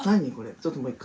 ちょっともう一回。